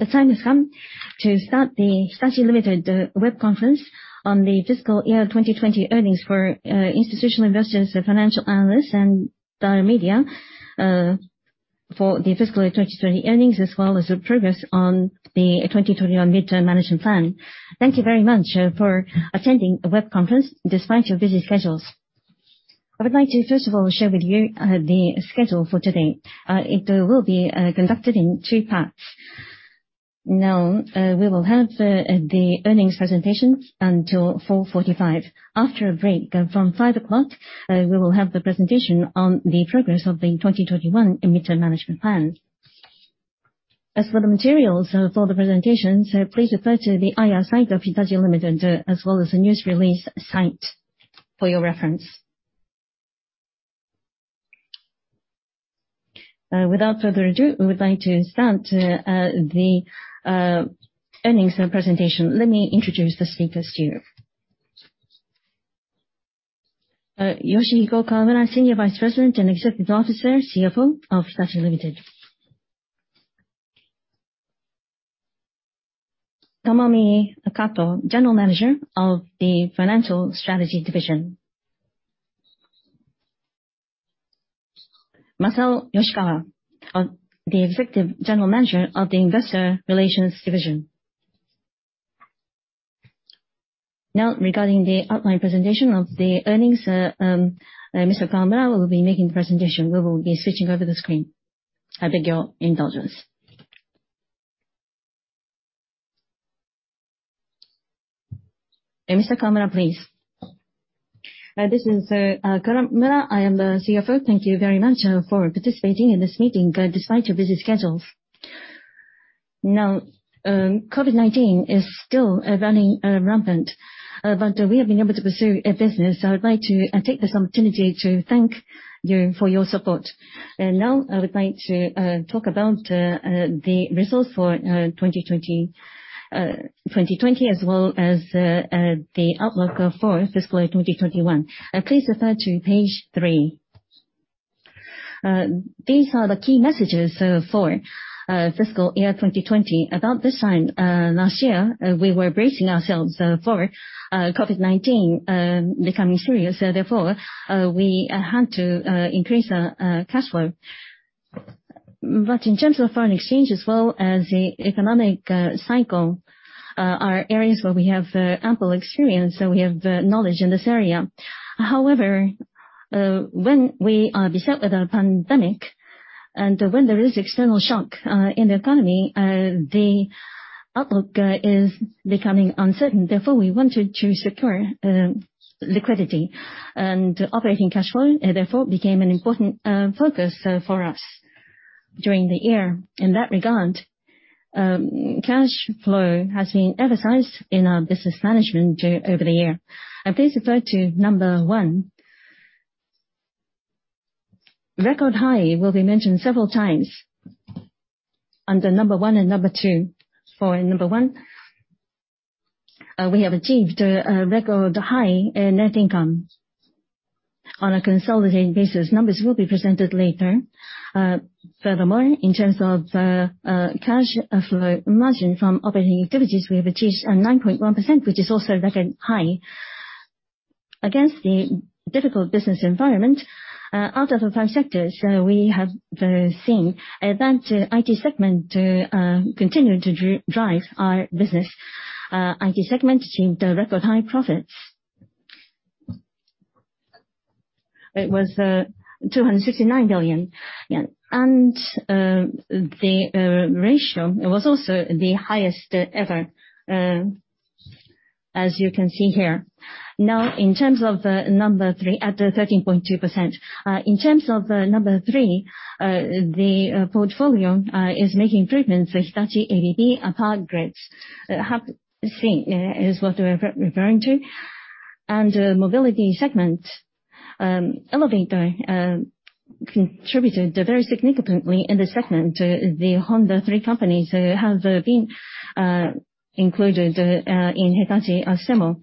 The time has come to start the Hitachi, Ltd. web Conference on the fiscal year 2020 earnings for institutional investors, financial analysts, and the media, as well as the progress on the 2021 midterm management plan. Thank you very much for attending the web conference despite your busy schedules. I would like to first of all share with you the schedule for today. It will be conducted in two parts. We will have the earnings presentation until 4:45P.M. After a break, from 5:00P.M., we will have the presentation on the progress of the 2021 midterm management plan. For the materials for the presentation, please refer to the IR site of Hitachi, Ltd., as well as the news release site for your reference. Without further ado, we would like to start the earnings presentation. Let me introduce the speakers to you. Yoshihiko Kawamura, Senior Vice President and Executive Officer, CFO of Hitachi, Ltd.; Tomomi Kato, General Manager of the Financial Strategy Division. Masao Yoshikawa, the Executive General Manager of the Investor Relations Division. Regarding the outline presentation of the earnings, Mr. Kawamura will be making the presentation. We will be switching over the screen. I beg your indulgence. Mr. Kawamura, please. This is Kawamura. I am the CFO. Thank you very much for participating in this meeting despite your busy schedules. COVID-19 is still running rampant, but we have been able to pursue business, so I would like to take this opportunity to thank you for your support. I would like to talk about the results for 2020, as well as the outlook for fiscal year 2021. Please refer to page three. These are the key messages for fiscal year 2020. About this time last year, we were bracing ourselves for COVID-19 becoming serious. We had to increase cash flow. In terms of foreign exchange as well as the economic cycle, these are areas where we have ample experience, we have knowledge in this area. When we are beset with a pandemic and when there is external shock in the economy, the outlook is becoming uncertain. We wanted to secure liquidity, operating cash flow, therefore, became an important focus for us during the year. In that regard, cash flow has been emphasized in our business management over the year. Please refer to number one. Record high will be mentioned several times under number one and number two. Number one, we have achieved a record high net income on a consolidated basis. Numbers will be presented later. Furthermore, in terms of cash flow margin from operating activities, we have achieved 9.1%, which is also a record high. Against the difficult business environment, out of the five sectors, we have seen that IT segment continuing to drive our business. The IT segment achieved record-high profits. It was JPY 269 billion. The ratio was also the highest ever, as you can see here. Now, in terms of number three, at 13.2%. In terms of number three, the portfolio is making improvements with Hitachi ABB Power Grids, HAPG is what we're referring to. Mobility segment, elevator contributed very significantly in this segment. The three Honda companies have been included in Hitachi Astemo.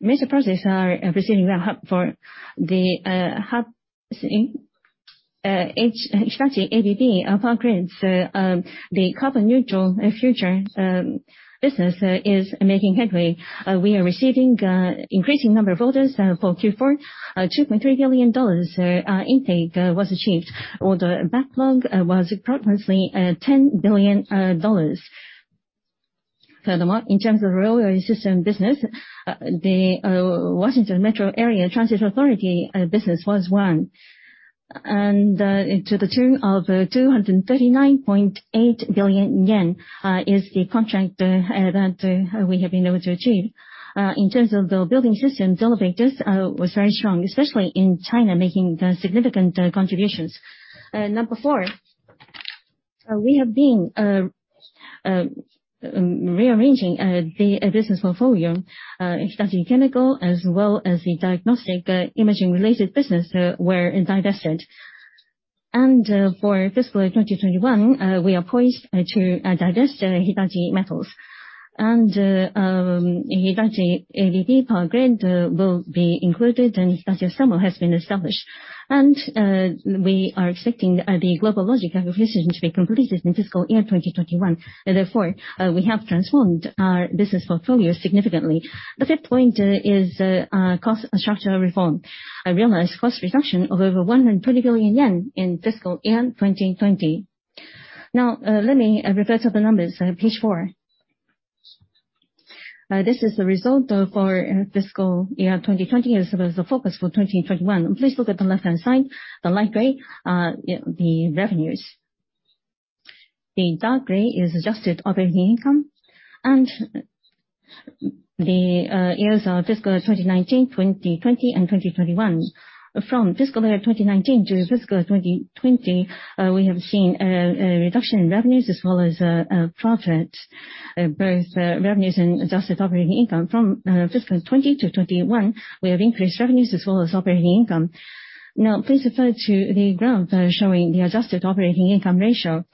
Major projects are proceeding well for Hitachi ABB Power Grids. The carbon-neutral future business is making headway. We are receiving an increasing number of orders for Q4. A $2.3 billion intake was achieved. Order backlog was approximately $10 billion. Furthermore, in terms of railway system business, the Washington Metropolitan Area Transit Authority business was won, to the tune of 239.8 billion yen, which is the contract that we have been able to achieve. In terms of the building systems, elevators were very strong, especially in China, making significant contributions. Number four, we have been rearranging the business portfolio. Hitachi Chemical, as well as the diagnostic imaging-related business, was divested. For FY 2021, we are poised to divest Hitachi Metals. Hitachi ABB Power Grids will be included, and Hitachi Astemo has been established. We are expecting the GlobalLogic acquisition to be completed in FY 2021. Therefore, we have transformed our business portfolio significantly. The third point is cost structure reform. I realized a cost reduction of over 120 billion yen in FY 2020. Let me refer to the numbers on page four. This is the result for fiscal year 2020 as well as the focus for 2021. Please look at the left-hand side, the light gray, the revenues. The dark gray is adjusted operating income. The years are fiscal 2019, 2020, and 2021. From fiscal year 2019 to fiscal 2020, we have seen a reduction in revenues as well as profit, both revenues and adjusted operating income. From fiscal 2020 to 2021, we have increased revenues as well as operating income. Please refer to the graph showing the adjusted operating income ratio.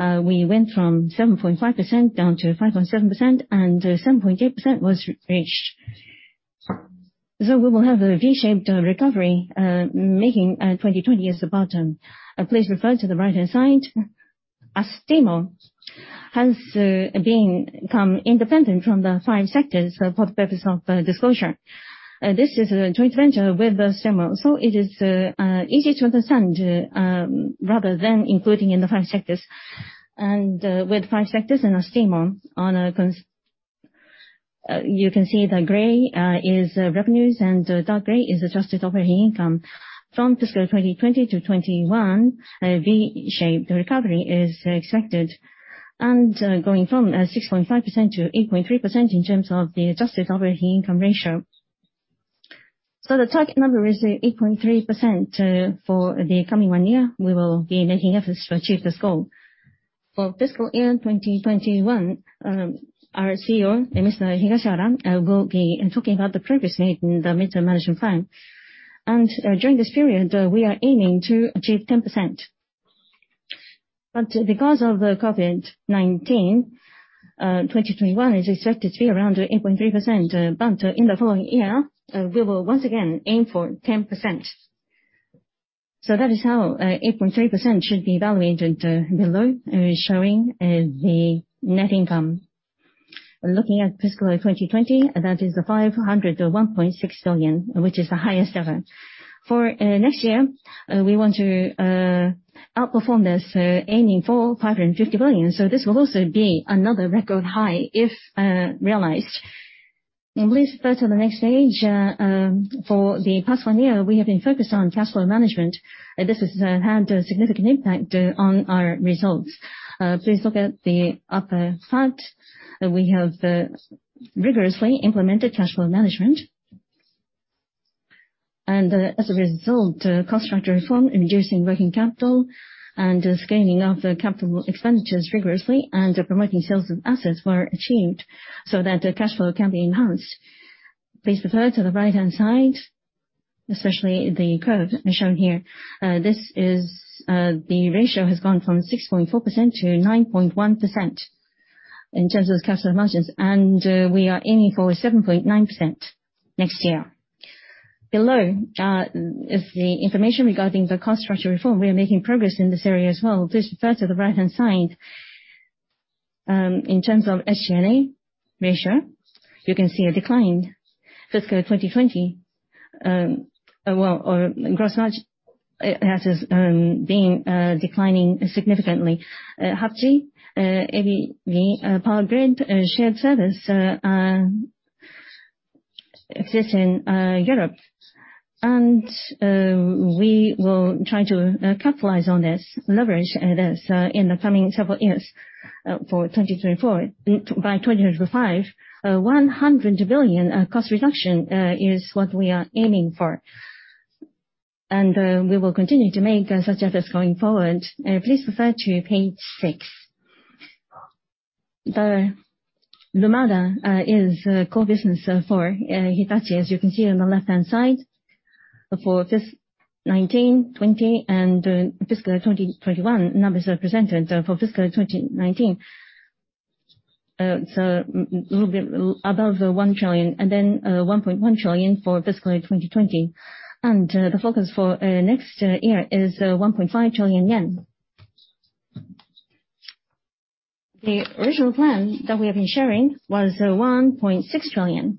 We went from 7.5% down to 5.7%; 7.8% was reached. We will have a V-shaped recovery, making 2020 the bottom. Please refer to the right-hand side. Astemo has become independent from the five sectors for the purpose of disclosure. This is a joint venture with Sumeru, so it is easy to understand rather than including in the five sectors. With five sectors and Astemo, you can see that gray is revenues and dark gray is adjusted operating income. From fiscal 2020-2021, a V-shaped recovery is expected, going from 6.5%-8.3% in terms of the adjusted operating income ratio. The target number is 8.3% for the coming one year. We will be making efforts to achieve this goal. For fiscal year 2021, our CEO, Mr. Higashihara, will be talking about the progress made in the Mid-term Management Plan. During this period, we are aiming to achieve 10%. Because of COVID-19, 2021 is expected to be around 8.3%, but in the following year, we will once again aim for 10%. That is how 8.3% should be evaluated below, showing the net income. Looking at fiscal 2020, that is 501.6 trillion, which is the highest ever. For next year, we want to outperform this, aiming for 550 billion. This will also be another record high if realized. Please refer to the next page. For the past one year, we have been focused on cash flow management. This has had a significant impact on our results. Please look at the upper part. We have rigorously implemented cash flow management. As a result, cost structure reform, reducing working capital, scaling capital expenditures rigorously, and promoting sales of assets were achieved so that the cash flow can be enhanced. Please refer to the right-hand side, especially the curve shown here. The ratio has gone from 6.4%-9.1% in terms of cash flow margins. We are aiming for 7.9% next year. Below is the information regarding the cost structure reform. We are making progress in this area as well. Please refer to the right-hand side. In terms of SG&A ratio, you can see a decline. Fiscal 2020, gross margin has been declining significantly. Hitachi ABB Power Grids shared service exists in Europe, and we will try to capitalize on this and leverage this in the coming several years, for 2024. By 2025, a 100 billion cost reduction is what we are aiming for. We will continue to make such efforts going forward. Please refer to page six. Lumada is a core business for Hitachi, as you can see on the left-hand side. For fiscal 2019, 2020, and fiscal 2021, numbers are presented. For fiscal 2019, it's a little bit above 1 trillion, and then 1.1 trillion for fiscal 2020. The focus for next year is 1.5 trillion yen. The original plan that we have been sharing was 1.6 trillion.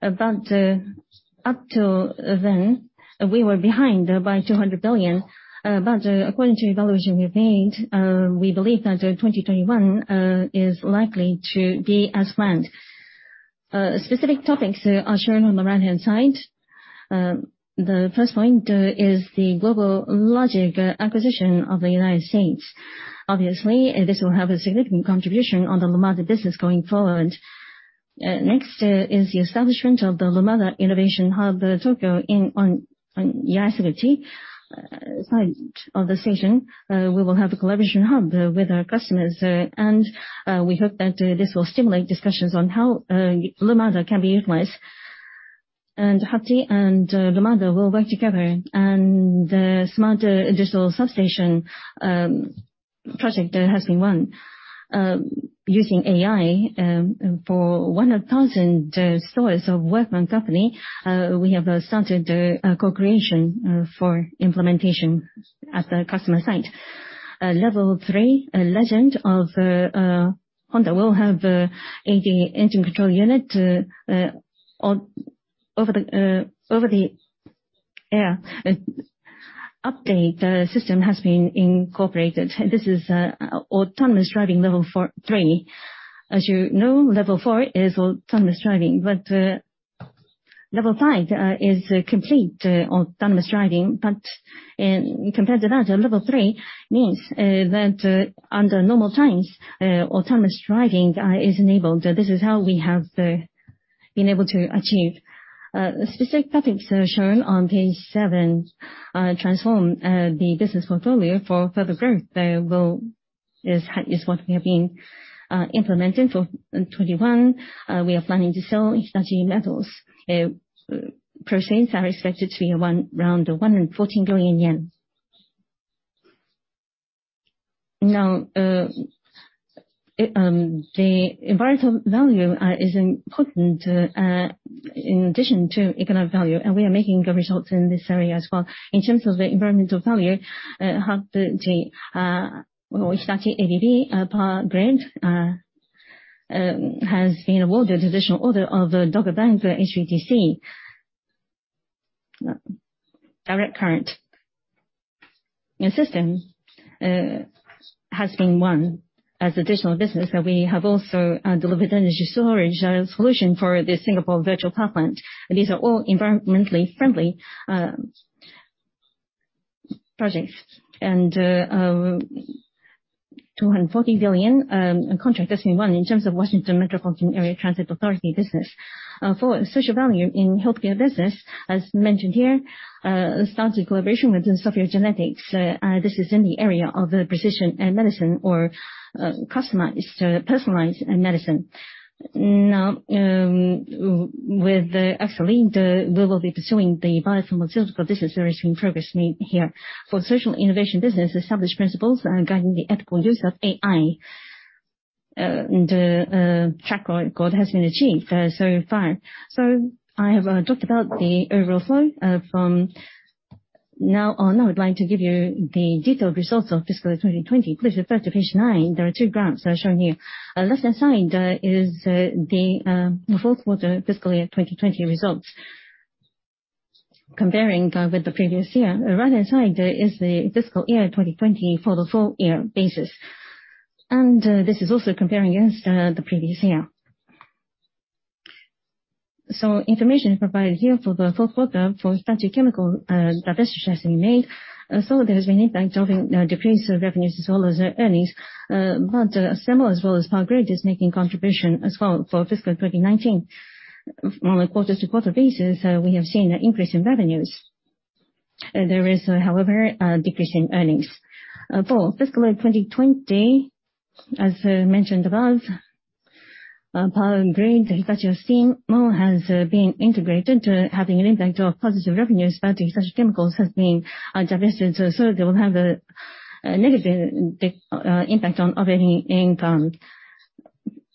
Up to then, we were behind by 200 billion. According to the evaluation we've made, we believe that 2021 is likely to be as planned. Specific topics are shown on the right-hand side. The first point is the GlobalLogic acquisition of the U.S. Obviously, this will have a significant contribution to the Lumada business going forward. Next is the establishment of the Lumada Innovation Hub Tokyo on the Yaesu side of the station. We will have a collaboration hub with our customers, and we hope that this will stimulate discussions on how Lumada can be utilized. Hitachi and Lumada will work together, and the smart digital substation project has been won. Using AI, for 1,000 stores of Workman Co., Ltd., we have started a co-creation for implementation at the customer site. Level 3, Honda Legend, will have an electronic control unit. Over the update, the system has been incorporated. This is autonomous driving Level 3. Level 4 is autonomous driving. Level 5 is complete autonomous driving. Compared to that, Level 3 means that under normal times, autonomous driving is enabled. This is how we have been able to achieve it. Specific topics are shown on page seven to transform the business portfolio for further growth. Is what we have been implementing for 2021. We are planning to sell Hitachi Metals. Proceeds are expected to be around 114 billion yen. The environmental value is important, in addition to economic value, and we are making good results in this area as well. In terms of the environmental value, Hitachi ABB Power Grids has been awarded an additional order of the Dogger Bank HVDC. Direct current in the system has been won as additional business. We have also delivered an energy storage solution for the Singapore Virtual Power Plant. These are all environmentally friendly projects. A 240 billion contract has been won in terms of Washington Metropolitan Area Transit Authority business. For social value in the healthcare business, as mentioned here, it started a collaboration with SOPHiA GENETICS. This is in the area of precision medicine or personalized medicine. With Axcelead, we will be pursuing the biopharmaceutical business that is in progress here. For social innovation businesses, establish principles guiding the ethical use of AI. The track record has been achieved so far. I have talked about the overall flow. From now on, I would like to give you the detailed results of fiscal 2020. Please refer to page nine. There are two graphs that are shown here. Left-hand side is the fourth quarter FY 2020 results, comparing with the previous year. The right-hand side is the FY 2020 for the full year basis. This is also comparing against the previous year. Information provided here for the full quarter for Hitachi Chemical divestment has been made. There has been impact of decreased revenues as well as earnings, but Astemo as well as Power Grid is making contribution as well for FY 2019. On a quarter-to-quarter basis, we have seen an increase in revenues. There is, however, a decrease in earnings. For FY 2020, as mentioned above, Power Grid, Hitachi Astemo has been integrated, having an impact of positive revenues. Hitachi Chemical has been divested, they will have a negative impact on operating income.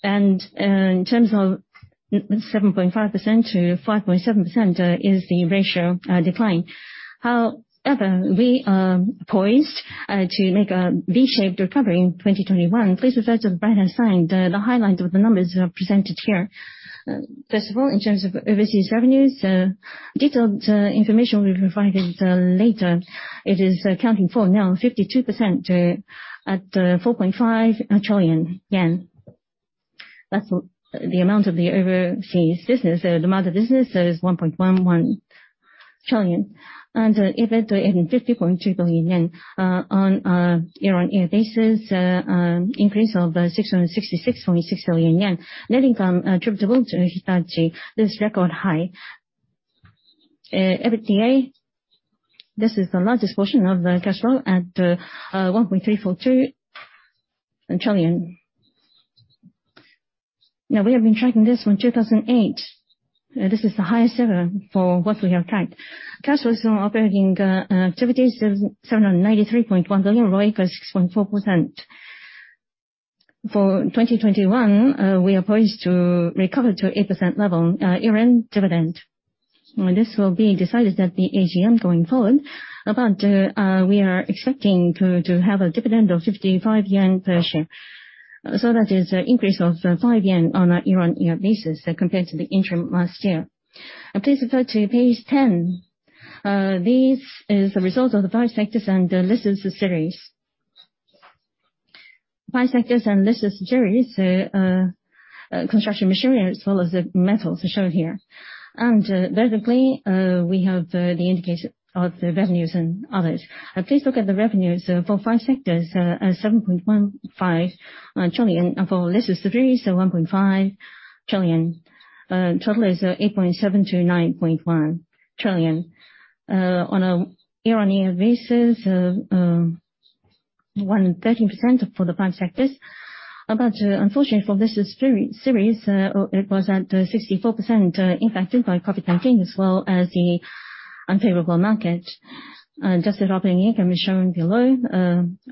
In terms of 7.5%-5.7% is the ratio decline. However, we are poised to make a V-shaped recovery in 2021. Please refer to the right-hand side, the highlight of the numbers presented here. First of all, in terms of overseas revenues, detailed information will be provided later. It is accounting for now 52% of 4.5 trillion yen. That's the amount of the overseas business. The amount of business is 1.11 trillion. EBITDA, 50.2 billion yen. On a year-on-year basis, an increase of 666.6 billion yen. Net income attributable to Hitachi is a record high. EBITDA is the largest portion of the cash flow at 1.342 trillion. Now, we have been tracking this from 2008. This is the highest ever for what we have tracked. Cash flow from operating activities is JPY 793.1 billion, and ROE equals 6.4%. For 2021, we are poised to recover to an 8% level. Year-end dividend, this will be decided at the AGM going forward. We are expecting to have a dividend of 55 yen per share. That is an increase of JPY five on a year-on-year basis compared to the interim last year. Please refer to page 10. This is the result of the five sectors and the listed subsidiaries. Five sectors and listed subsidiaries, construction machinery as well as metals, are shown here. Vertically, we have the indicator of the revenues and others. Please look at the revenues. For five sectors, 7.15 trillion. For listed subsidiaries, 1.5 trillion. Total is 8.7 trillion to 9.1 trillion. On a year-on-year basis, 113% for the five sectors. Unfortunately for these subsidiaries, they were 64% impacted by COVID-19 as well as the unfavorable market. Adjusted operating income is shown below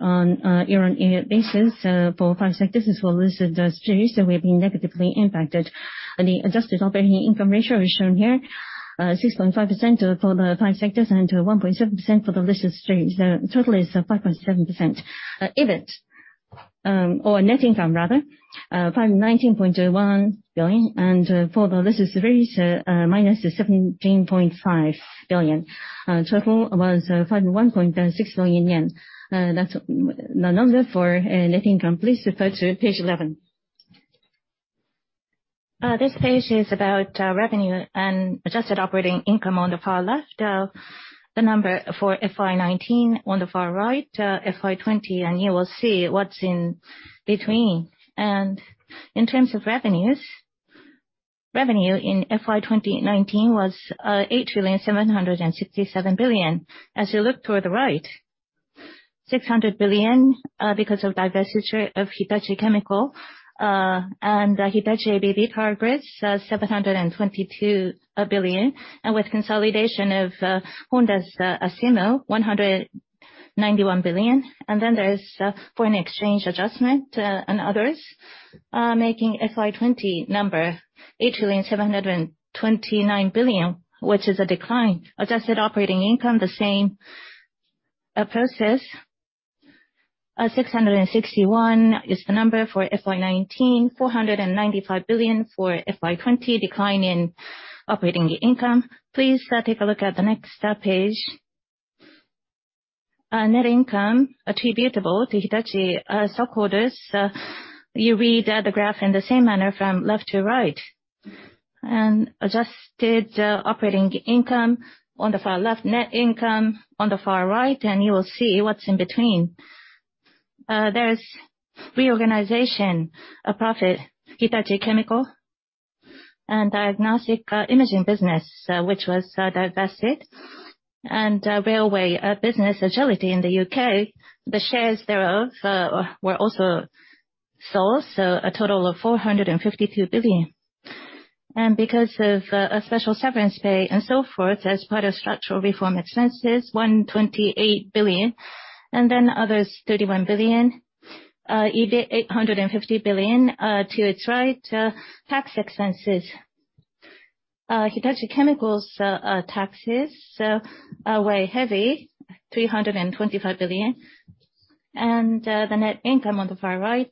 on a year-on-year basis, for five sectors as well as the listed subsidiaries. We have been negatively impacted. The adjusted operating income ratio is shown here, 6.5% for the five sectors and 1.7% for the listed subsidiaries. The total is 5.7% EBIT, or net income, rather, or 19.1 billion. For the listed subsidiaries, -17.5 billion. Total was 51.6 billion yen. That's the number for net income. Please refer to page 11. This page is about revenue and adjusted operating income on the far left. The number for FY 2019 on the far right, FY 2020. You will see what's in between. In terms of revenues, revenue in FY 2019 was 8,767 billion. As you look toward the right, 600 billion is because of the divestiture of Hitachi Chemical. Hitachi ABB Power Grids: 722 billion. With the consolidation of Honda's Astemo, 191 billion. There's a foreign exchange adjustment and others, making the FY 2020 number 8,729 billion, which is a decline. Adjusted operating income, the same process. 661 billion is the number for FY 2019, and 495 billion for FY 2020 is a decline in operating income. Please take a look at the next page. Net income attributable to Hitachi stockholders. You read the graph in the same manner from left to right. Adjusted operating income on the far left and net income on the far right, and you will see what's in between. There's reorganization profit, Hitachi Chemical and diagnostic imaging business, which was divested, railway business; and Agility in the U.K. The shares thereof were also sold, a total of 452 billion. Because of special severance pay and so forth as part of structural reform expenses, 128 billion, others 31 billion, and 850 billion are to its right. Tax expenses. Hitachi Chemical's taxes weigh heavy, 325 billion. The net income on the far right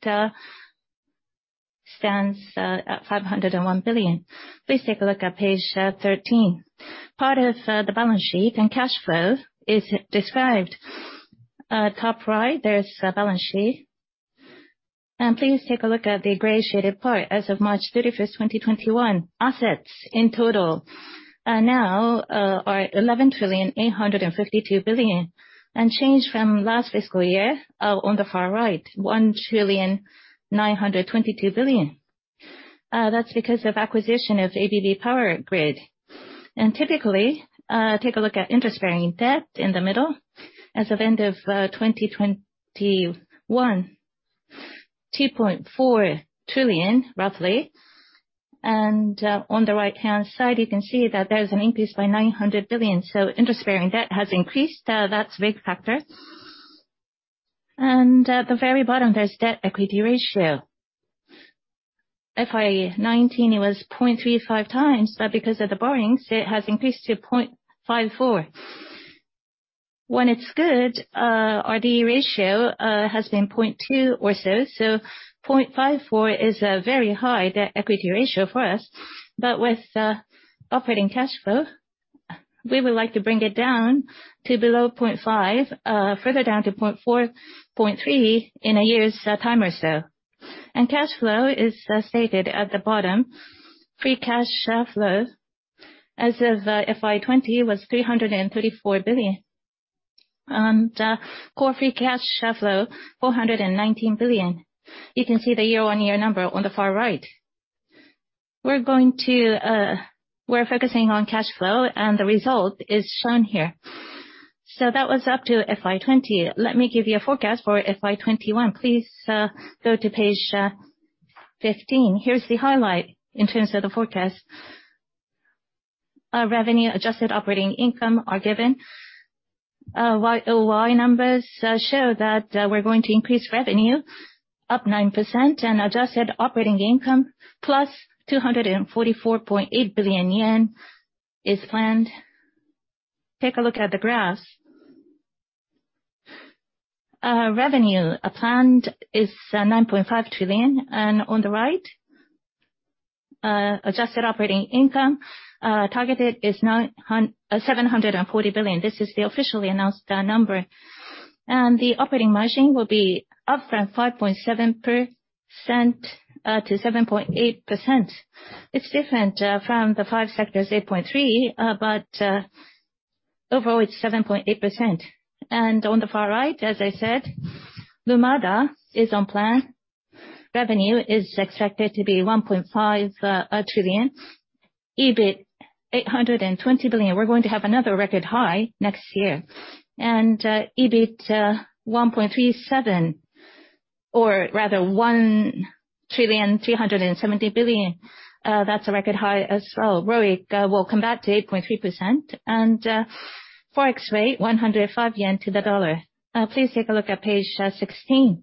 stands at 501 billion. Please take a look at page 13. Part of the balance sheet and cash flow is described. Top right, there's a balance sheet. Please take a look at the gray shaded part. As of March 31st, 2021, assets in total now are 11,852 billion. Change from last fiscal year, on the far right, is 1,922 billion. That's because of the acquisition of Hitachi ABB Power Grids. Typically, take a look at interest-bearing debt in the middle. As of the end of 2021, 2.4 trillion, roughly. On the right-hand side, you can see that there's an increase by 900 billion. Interest-bearing debt has increased. That's a big factor. At the very bottom, there's a debt-equity ratio. In FY 2019, it was 0.35x, because of the borrowings, it has increased to 0.54x. When it's good, our D/E ratio has been 0.2x or so, 0.54x is a very high debt-to-equity ratio for us. With operating cash flow, we would like to bring it down to below 0.5x and further down to 0.4x or 0.3x in a year's time or so. Cash flow is stated at the bottom. Free cash flow as of FY 2020 was 334 billion. Core free cash flow, 419 billion. You can see the year-on-year number on the far right. We're focusing on cash flow, and the result is shown here. That was up to FY 2020. Let me give you a forecast for FY 2021. Please go to page 15. Here's the highlight in terms of the forecast. Revenue and adjusted operating income are given. YoY numbers show that we're going to increase revenue up 9%, and adjusted operating income, +244.8 billion yen, is planned. Take a look at the graphs. Revenue planned is 9.5 trillion. On the right, adjusted operating income targeted is 740 billion. This is the officially announced number. The operating margin will be up from 5.7%-7.8%. It's different from the five sectors, 8.3%, but overall, it's 7.8%. On the far right, as I said, Lumada is on plan. Revenue is expected to be 1.5 trillion and EBIT, 820 billion. We're going to have another record high next year. EBIT, 1.37 trillion, or rather, 1,370 billion. That's a record high as well. ROIC will come back to 8.3%. Forex rate, 105 yen to the dollar. Please take a look at page 16.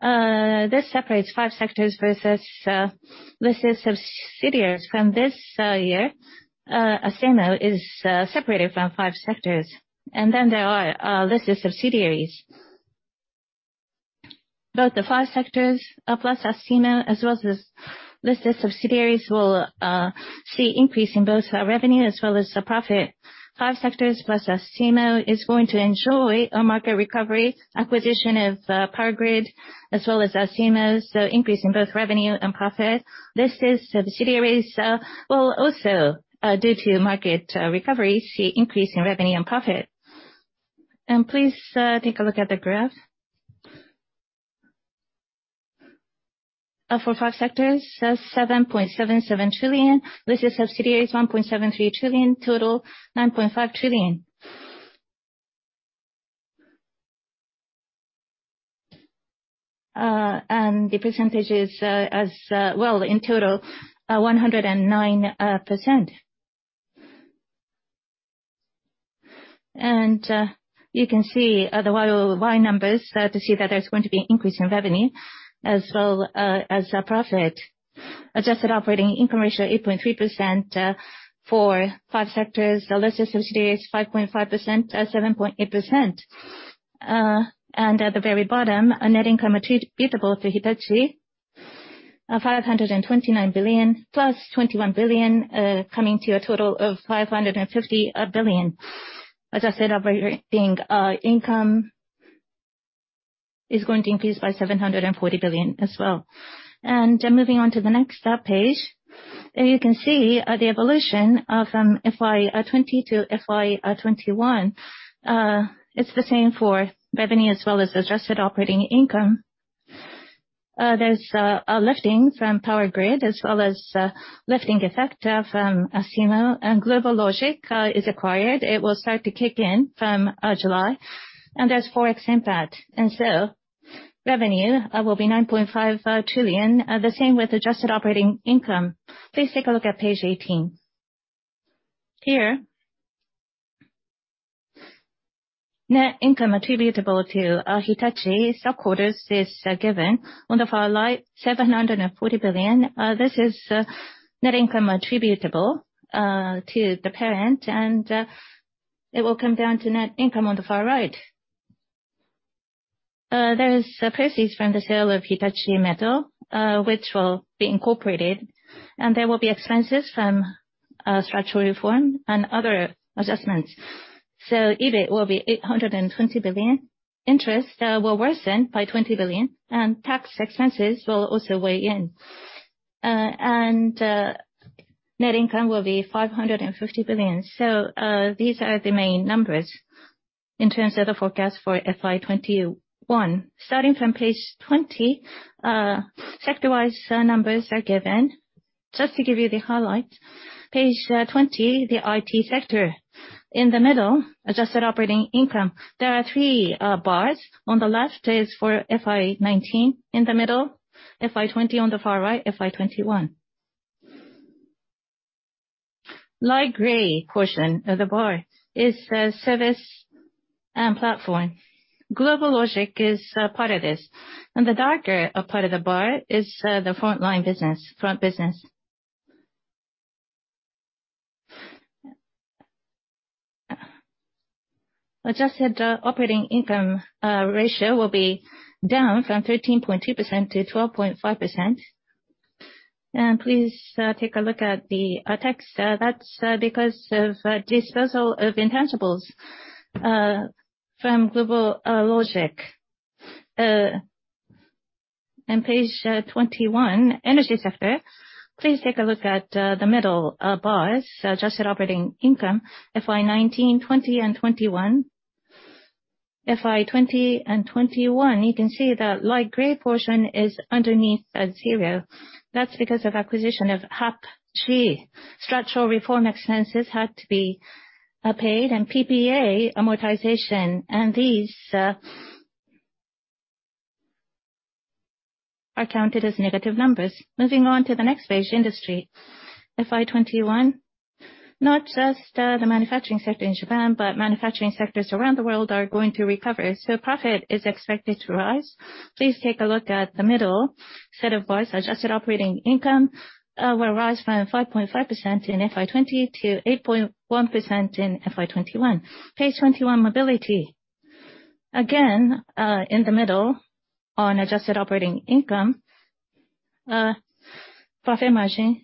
This separates five sectors from listed subsidiaries. From this year, Astemo is separated from five sectors. There are listed subsidiaries. Both the five sectors plus Astemo, as well as listed subsidiaries, will see an increase in both revenue and profit. Five sectors plus Astemo are going to enjoy a market recovery and acquisition of Power Grid, as well as Astemo, increasing in both revenue and profit. Listed subsidiaries will also, due to market recovery, see an increase in revenue and profit. Please take a look at the graph. For five sectors, 7.77 trillion. Listed subsidiaries, 1.73 trillion. Total, 9.5 trillion. The percentage is, in total, 109%. You can see the YoY numbers to see that there's going to be an increase in revenue as well as profit. Adjusted operating income ratio, 8.3% for five sectors. Listed subsidiaries, 5.5%, 7.8%. At the very bottom, a net income attributable to Hitachi, 529 billion +21 billion, comes to a total of 550 billion. As I said, operating income is going to increase by 740 billion as well. Moving on to the next page. You can see the evolution from FY 2020-FY 2021. It's the same for revenue as well as adjusted operating income. There's a lifting from Power Grid as well as a lifting effect from Astemo. GlobalLogic is acquired. It will start to kick in from July. There's a Forex impact. Revenue will be 9.5 trillion. The same with adjusted operating income. Please take a look at page 18. Here, net income attributable to Hitachi subsidiaries is given on the far right, 740 billion. This is net income attributable to the parent, it will come down to net income on the far right. There is proceeds from the sale of Hitachi Metals, which will be incorporated, there will be expenses from structural reform and other adjustments. EBIT will be 820 billion. Interest will worsen by 20 billion, tax expenses will also weigh in. Net income will be 550 billion. These are the main numbers in terms of the forecast for FY 2021. Starting from page 20, sector-wise numbers are given. Just to give you the highlights, page 20, the IT sector. In the middle, adjusted operating income. There are three bars. On the left is for FY 2019. In the middle, FY 2020. On the far right, FY 2021. Light gray portion of the bar is the service and platform. GlobalLogic is part of this, and the darker part of the bar is the frontline business, the front business. Adjusted operating income ratio will be down from 13.2%-12.5%. Please take a look at the text. That's because of the disposal of intangibles from GlobalLogic. On page 21, energy sector. Please take a look at the middle bars, adjusted operating income, for FY 2019, 2020, and 2021. In FY 2020 and 2021, you can see the light gray portion is below zero. That's because of the acquisition of HAPG. Structural reform expenses had to be paid, and PPA amortization, and these are counted as negative numbers. Moving on to the next page, industry. In FY 2021, not just the manufacturing sector in Japan but also manufacturing sectors around the world are going to recover. Profit is expected to rise. Please take a look at the middle set of bars, adjusted operating income will rise from 5.5% in FY 2020 to 8.1% in FY 2021. Page 21, mobility. Again, in the middle, on adjusted operating income, profit margin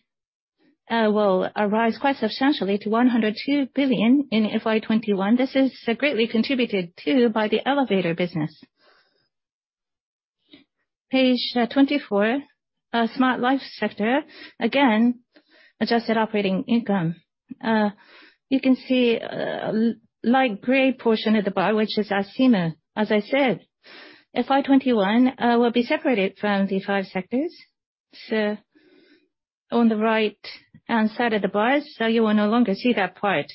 will rise quite substantially to 102 billion in FY 2021. This is greatly contributed to by the elevator business. Page 24, Smart Life Sector, again, adjusted operating income. You can see a light gray portion of the bar, which is Astemo. As I said, FY 2021 will be separated from the five sectors, on the right-hand side of the bars, you will no longer see that part.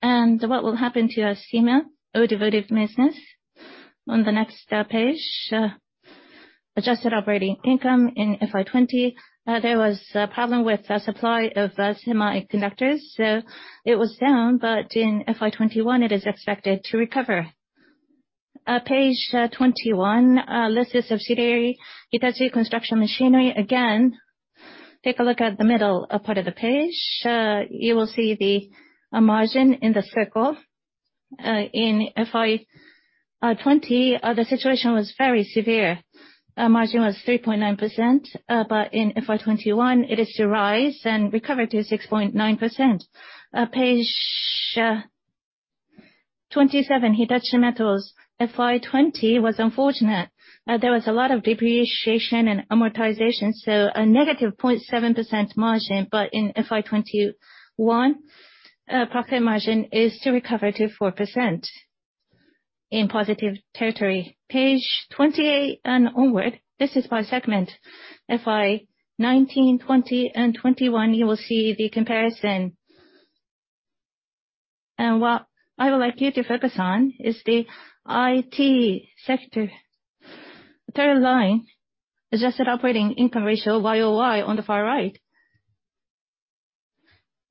What will happen to Astemo's automotive business? On the next page, adjusted operating income in FY 2020. There was a problem with the supply of semiconductors, so it was down, but in FY 2021, it is expected to recover. Page 21, listed subsidiaries: Hitachi Construction Machinery. Again, take a look at the middle part of the page. You will see the margin in the circle. In FY 2020, the situation was very severe. Margin was 3.9%, but in FY 2021, it is to rise and recover to 6.9%. Page 27, Hitachi Metals. FY 2020 was unfortunate. There was a lot of depreciation and amortization, so a negative 0.7% margin. In FY 2021, profit margin is to recover to 4%, in positive territory. Page 28 onward, this is by segment. In FY 2019, 2020, and 2021, you will see the comparison. What I would like you to focus on is the IT sector. third line, adjusted operating income ratio YoY on the far right.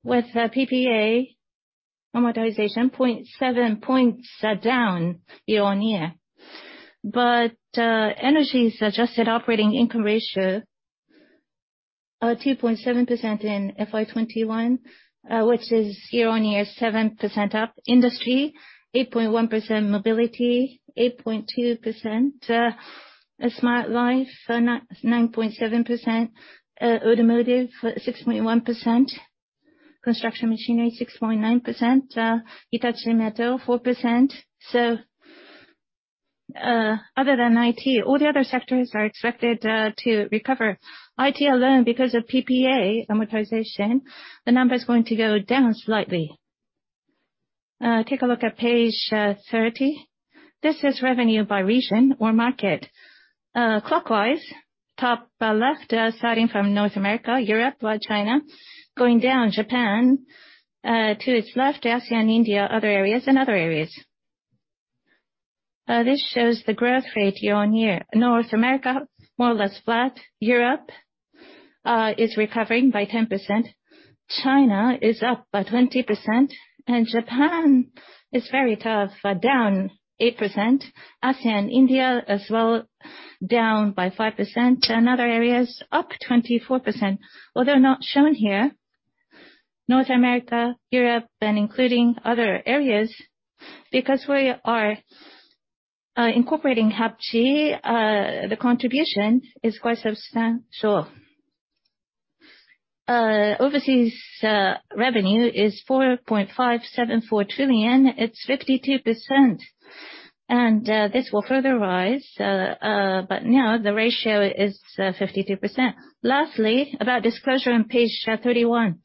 With PPA amortization, 0.7 points down year-on-year. Energy's adjusted operating income ratio is 2.7% in FY 2021, which is 7% up year-over-year. Industry, 8.1%. Mobility, 8.2%. Smart Life, 9.7%. Automotive, 6.1%. Construction Machinery, 6.9%. Hitachi Metals, 4%. Other than IT, all the other sectors are expected to recover. IT alone, because of PPA amortization, the number is going to go down slightly. Take a look at page 30. This is revenue by region or market. Clockwise, top left, starting from North America, Europe by China, going down, and Japan. To its left, Asia and India, other areas, and other areas. This shows the growth rate year-on-year. North America, more or less flat. Europe is recovering by 10%. China is up by 20%, and Japan is very tough but down 8%. ASEAN and India as well, down by 5%, and other areas up 24%. Although not shown here, North America, Europe, and other areas, because we are incorporating HAPG, the contribution is quite substantial. Overseas revenue is 4.574 trillion. It's 52%, and this will further rise, but now the ratio is 52%. Lastly, about disclosure on page 31.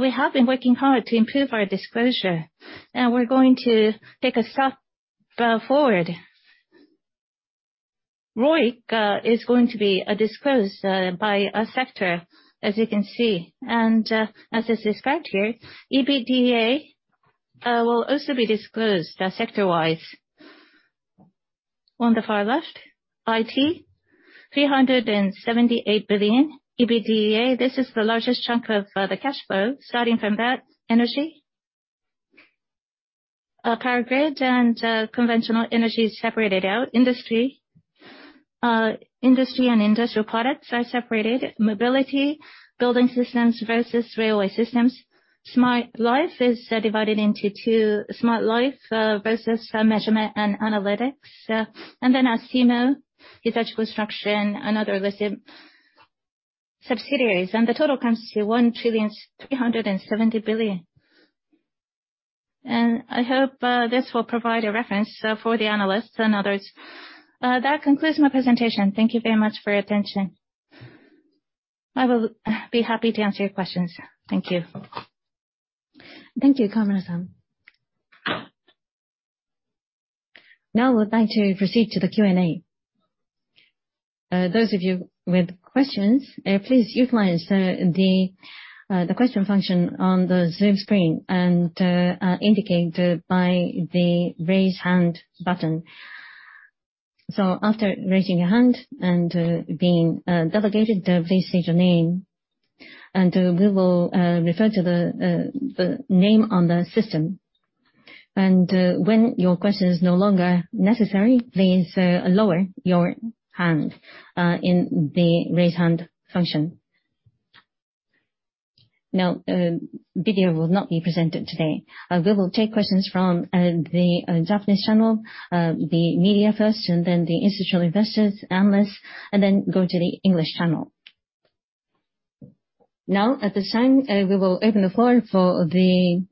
We have been working hard to improve our disclosure, and we're going to take a step forward. ROIC is going to be disclosed by sector, as you can see. As is described here, EBITDA will also be disclosed sector-wise. On the far left, IT, 378 billion in EBITDA. This is the largest chunk of the cash flow. Starting from that, Energy. Power grids and conventional energy are separated out. Industry and industrial products are separated. Mobility, Building Systems versus Railway Systems. Smart Life is divided into two: Smart Life versus Measurement & Analytics. Then Astemo, Hitachi Construction, and other listed subsidiaries. The total comes to 1,370 billion. I hope this will provide a reference for the analysts and others. That concludes my presentation. Thank you very much for your attention. I will be happy to answer your questions. Thank you. Thank you, Kawamura-san. We'd like to proceed to the Q&A. Those of you with questions, please utilize the question function on the Zoom screen, and indicate by the raise hand button. After raising your hand and being delegated, please state your name, and we will refer to the name on the system. When your question is no longer necessary, please lower your hand in the raise hand function. Video will not be presented today. We will take questions from the Japanese channel, the media first, and then the institutional investors, analysts, and then go to the English channel. At this time, we will open the floor for the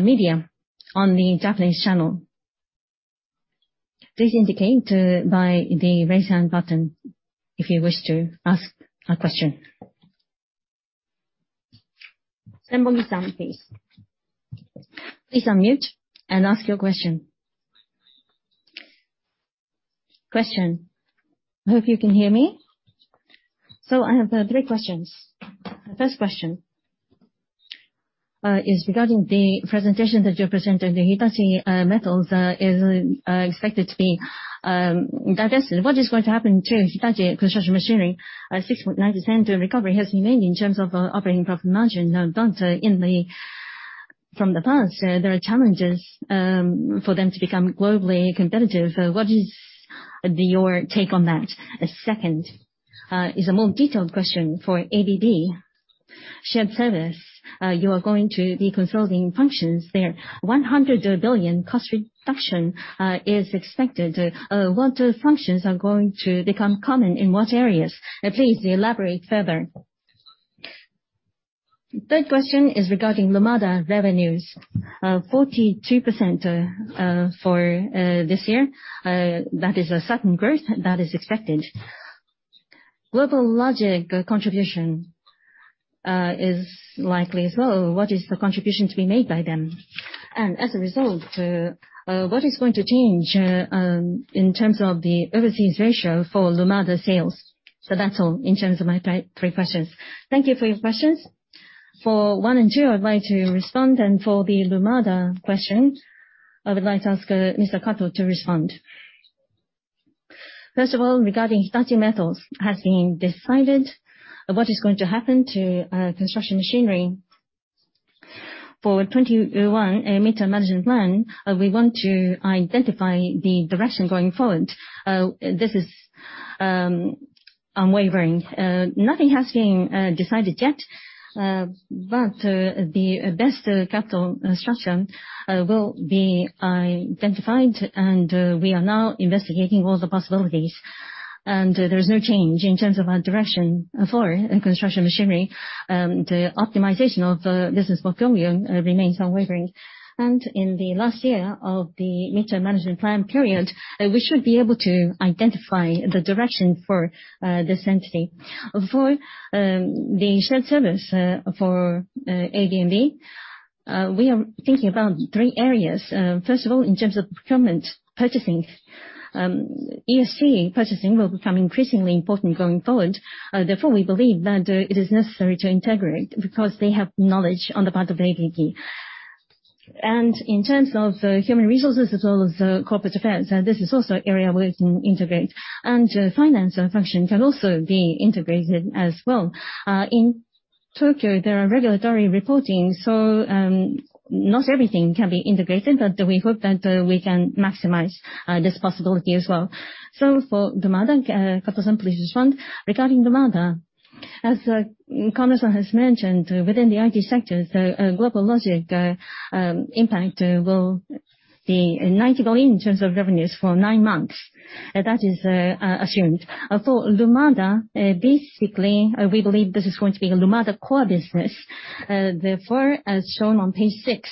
media on the Japanese channel. Please indicate by the Raise Hand button if you wish to ask a question. Senbongi-san, please. Please unmute and ask your question. Question. I hope you can hear me. I have three questions. First question is regarding the presentation that you presented: Hitachi Metals is expected to be divested. What is going to happen to Hitachi Construction Machinery? A 6.9% recovery has been made in terms of operating profit margin compared to the past. There are challenges for them to become globally competitive. What is your take on that? The second is a more detailed question for ABB Shared Service. You are going to be consolidating functions there. 100 billion cost reduction is expected. What functions are going to become common in what areas? Please elaborate further. Third question is regarding Lumada revenues, 42% for this year. That is a certain growth that is expected. GlobalLogic's contribution is likely as well. What is the contribution to be made by them? As a result, what is going to change in terms of the overseas ratio for Lumada sales? That's all in terms of my three questions. Thank you for your questions. For one and two, I'd like to respond, and for the Lumada question, I would like to ask Mr. Kato to respond. First of all, regarding Hitachi Metals, it has been decided what is going to happen to construction machinery. For 2021, a midterm management plan, we want to identify the direction going forward. This is unwavering. Nothing has been decided yet, but the best capital structure will be identified, and we are now investigating all the possibilities. There is no change in terms of our direction for construction machinery. The optimization of the business portfolio remains unwavering. In the last year of the midterm management plan period, we should be able to identify the direction for this entity. The shared service for ABB, we are thinking about three areas. In terms of procurement and purchasing, ESG purchasing will become increasingly important going forward. We believe that it is necessary to integrate because they have knowledge on the part of ABB. In terms of human resources as well as corporate affairs, this is also an area where we can integrate. Finance functions can also be integrated as well. In Tokyo, there are regulatory reportings, so not everything can be integrated, but we hope that we can maximize this possibility as well. For Lumada, Kato-san, please respond. Regarding Lumada, as Kawamura-san has mentioned, within the IT sector, GlobalLogic's impact will be 90 billion in terms of revenues for nine months. That is assumed. For Lumada, basically, we believe this is going to be Lumada's core business. As shown on page six,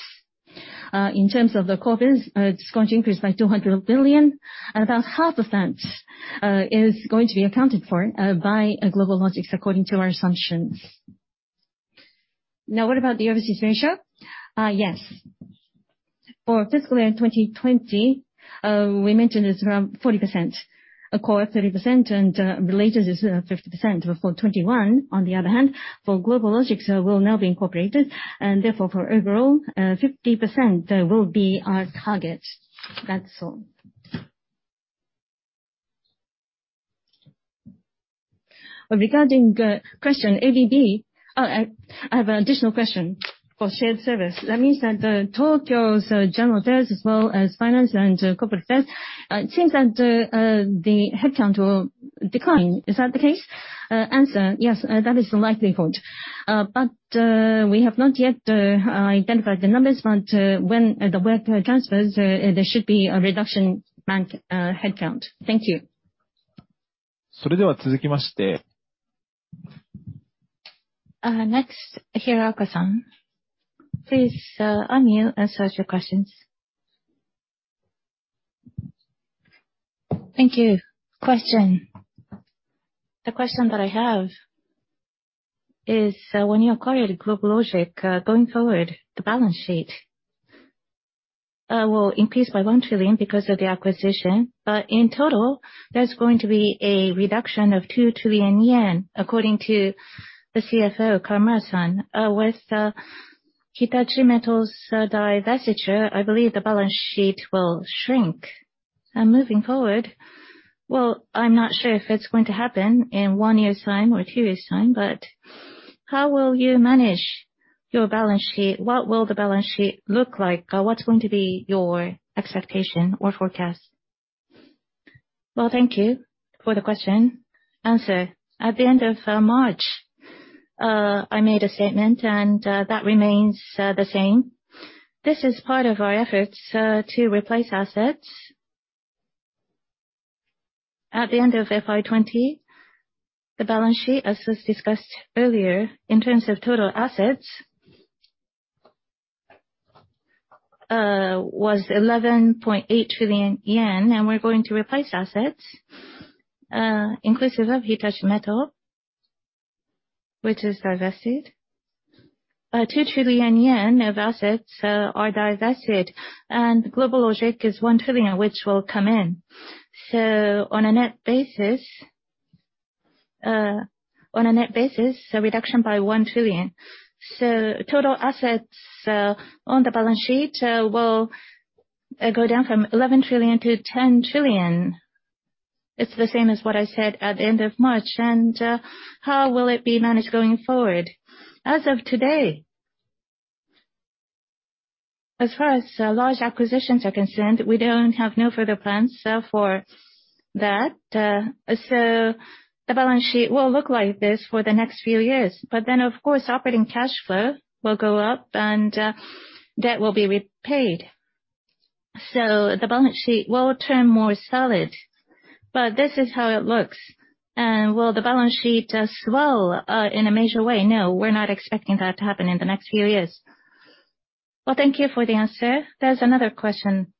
in terms of the core business, it's going to increase by 200 billion. About half of that is going to be accounted for by GlobalLogic, according to our assumptions. What about the overseas ratio? Yes. For FY 2020, we mentioned it's around 40% core, 30% related business, and 50%. For FY 2021, on the other hand, GlobalLogic will now be incorporated, and therefore overall, 50% will be our target. That's all. Regarding the question. Oh, I have an additional question for shared service. That means that for Tokyo's general affairs as well as finance and corporate affairs, it seems that the headcount will decline. Is that the case? Answer, yes, that is the likelihood. We have not yet identified the numbers, but when the work transfers, there should be a reduction in headcount. Thank you. Next, Hirakawa-san, please unmute and ask your questions. Thank you. Question. The question that I have is, when you acquired GlobalLogic, going forward, will the balance sheet increase by 1 trillion because of the acquisition? In total, there's going to be a reduction of 2 trillion yen, according to the CFO, Kawamura-san. With the Hitachi Metals divestiture, I believe the balance sheet will shrink. Moving forward, well, I'm not sure if it's going to happen in one year's time or two years' time, but how will you manage your balance sheet? What will the balance sheet look like? What's going to be your expectation or forecast? Well, thank you for the question. Answer, at the end of March, I made a statement, and that remains the same. This is part of our efforts to replace assets. At the end of FY 2020, the balance sheet, as was discussed earlier in terms of total assets, was 11.8 trillion yen. We're going to replace assets inclusive of Hitachi Metals, which is divested. 2 trillion yen of assets are divested. GlobalLogic is 1 trillion, which will come in. On a net basis, a reduction by 1 trillion. Total assets on the balance sheet will go down from 11 trillion-10 trillion. It's the same as what I said at the end of March. How will it be managed going forward? As of today, as far as large acquisitions are concerned, we don't have any further plans set for that. Of course, operating cash flow will go up and debt will be repaid. The balance sheet will turn more solid. This is how it looks. Will the balance sheet swell in a major way? No, we're not expecting that to happen in the next few years. Thank you for the answer. There's another question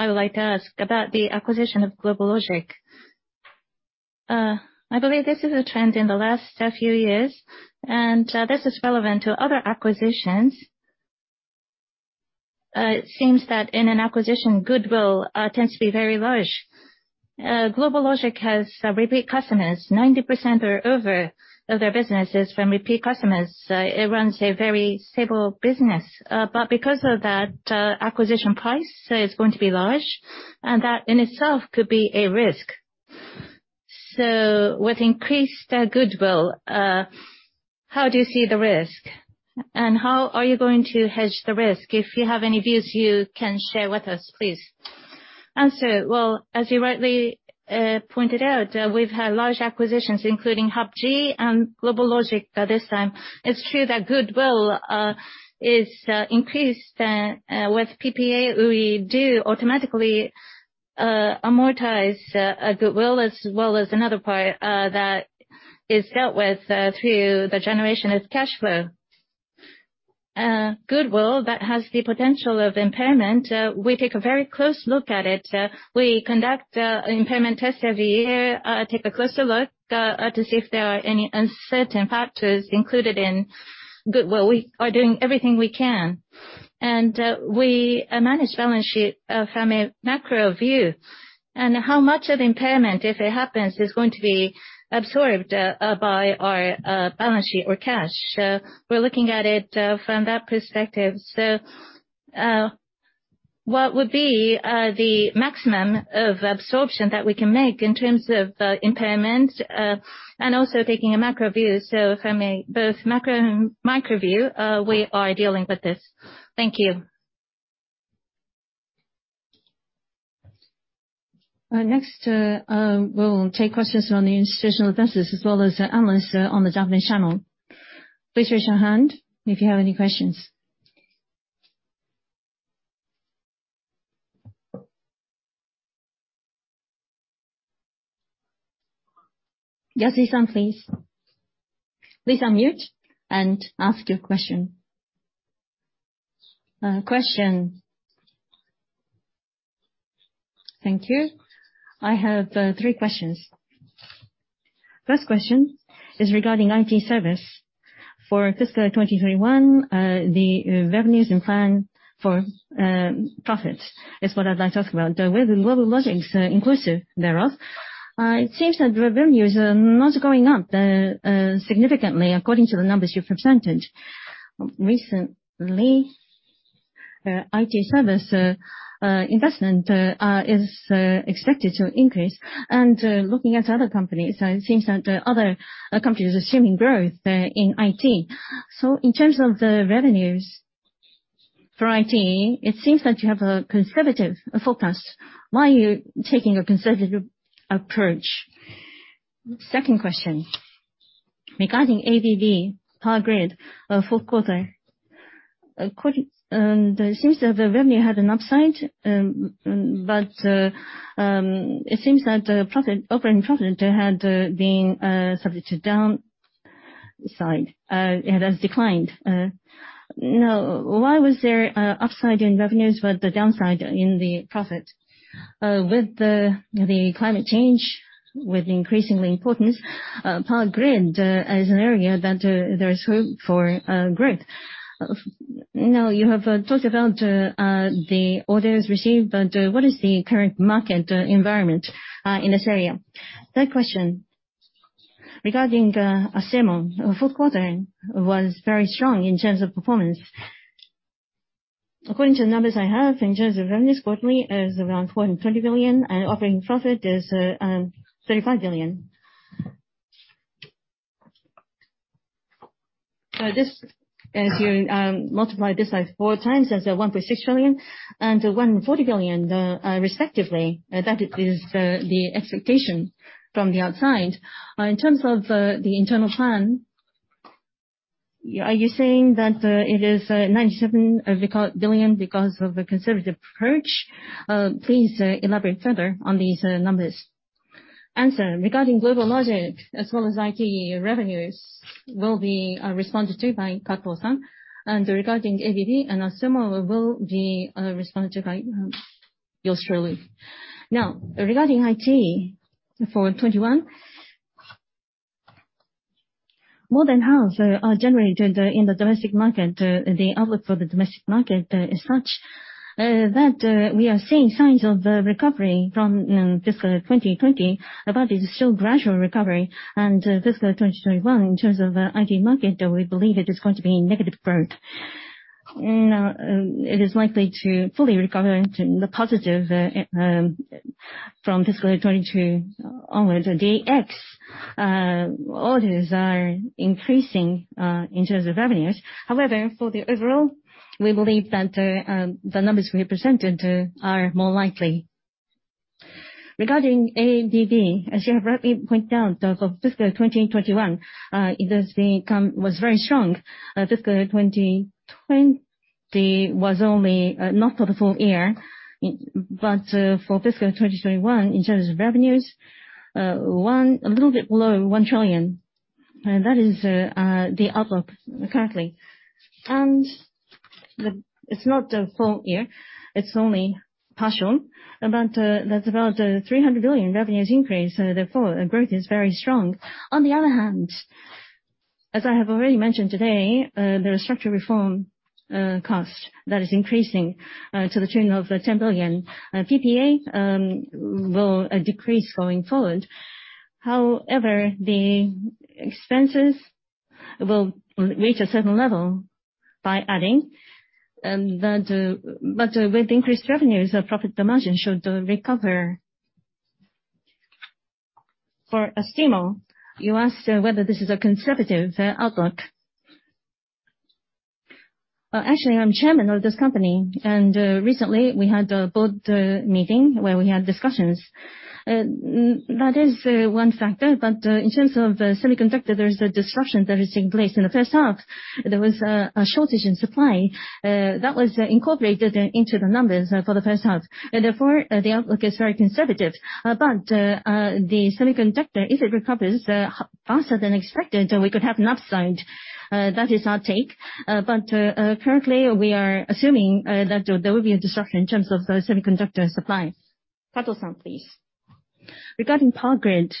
I would like to ask about the acquisition of GlobalLogic. I believe this is a trend in the last few years, and this is relevant to other acquisitions. It seems that in an acquisition, goodwill tends to be very large. GlobalLogic has repeat customers. 90% or over of their business is from repeat customers. It runs a very stable business. Because of that, the acquisition price is going to be large, and that in itself could be a risk. With increased goodwill, how do you see the risk, and how are you going to hedge the risk? If you have any views you can share with us, please. Well, as you rightly pointed out, we've had large acquisitions, including HAPG and GlobalLogic this time. It's true that goodwill is increased. With PPA, we do automatically amortize goodwill as well as another part that is dealt with through the generation of cash flow. Goodwill that has the potential of impairment, we take a very close look at it. We conduct impairment tests every year, take a closer look to see if there are any uncertain factors included in goodwill. We are doing everything we can, and we manage balance sheet from a macro view. How much of impairment, if it happens, is going to be absorbed by our balance sheet or cash? We're looking at it from that perspective. What would be the maximum of absorption that we can make in terms of impairment? Also taking a macro view. From a both macro and micro view, we are dealing with this. Thank you. Next, we'll take questions from the institutional investors as well as analysts on the Japanese channel. Please raise your hand if you have any questions. Yasui-san, please. Please unmute and ask your question. Question. Thank you. I have three questions. First question is regarding IT services for fiscal 2021. The revenues and plan for profit are what I'd like to ask about. With GlobalLogic, inclusive thereof, it seems that revenues are not going up significantly according to the numbers you've presented. Recently, IT service investment is expected to increase. Looking at other companies, it seems that other companies are assuming growth in IT. In terms of the revenues for IT, it seems that you have a conservative forecast. Why are you taking a conservative approach? Second question, regarding ABB Power Grid for the fourth quarter. It seems that the revenue had an upside, but it seems that operating profit had been subject to a downside. It has declined. Why was there an upside in revenues but a downside in the profit? With climate change of increasing importance, Power Grid is an area that there is hope for growth in. You have talked about the orders received, but what is the current market environment in this area? Third question, regarding Astemo: the fourth quarter was very strong in terms of performance. According to the numbers I have, in terms of revenues, quarterly is around 420 billion, and operating profit is 35 billion. If you multiply this by four times, that's 1.6 trillion and 140 billion, respectively. That is the expectation from the outside. In terms of the internal plan. Are you saying that it is 97 billion because of the conservative approach? Please elaborate further on these numbers. Answer. Regarding GlobalLogic, as well as IT revenues, will be responded to by Kato-san. Regarding ABB and Astemo, a response will be provided by me. Regarding IT for 2021, more than half are generated in the domestic market. The outlook for the domestic market is such that we are seeing signs of recovery from fiscal 2020, but it's still a gradual recovery. Fiscal 2021, in terms of the IT market, we believe it is going to be negative growth. It is likely to fully recover to the positive from fiscal 2022 onwards. DX orders are increasing in terms of revenues. However, overall, we believe that the numbers we presented are more likely. Regarding ABB, as you have rightly pointed out, for fiscal 2021, it was very strong. Fiscal 2020 was not only not for the full year, but fiscal 2021, in terms of revenues, was a little bit below 1 trillion. That is the outlook currently. It's not a full year, it's only partial, but that's about a 300 billion revenue increase. Growth is very strong. As I have already mentioned today, there is a structural reform cost that is increasing to the tune of 10 billion. PPA will decrease going forward. The expenses will reach a certain level by adding, but with increased revenues, the profit margin should recover. For Astemo, you asked whether this is a conservative outlook. Actually, I'm chairman of this company, and recently we had a board meeting where we had discussions. That is one factor. In terms of semiconductors, there is a disruption that is taking place. In the first half, there was a shortage in supply. That was incorporated into the numbers for the first half. The outlook is very conservative. The semiconductor, if it recovers faster than expected, we could have an upside. That is our take. Currently, we are assuming that there will be a disruption in terms of the semiconductor supplies. Kato-san, please. Regarding Power Grid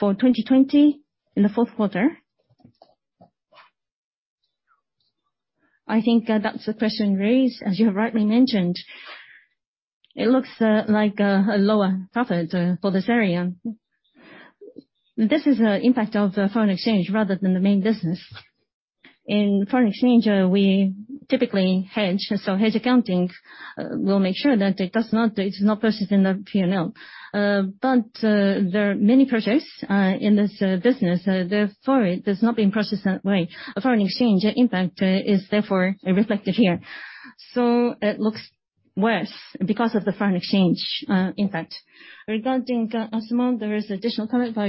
for 2020, in the fourth quarter, I think that's a question raised, as you have rightly mentioned. It looks like a lower profit for this area. This is an impact of the foreign exchange rather than the main business. In foreign exchange, we typically hedge. Hedge accounting will make sure that it's not processed in the P&L. There are many purchases in this business; therefore, it has not been processed that way. Foreign exchange impact is therefore reflected here. It looks worse because of the foreign exchange impact. Regarding Astemo, there is an additional comment by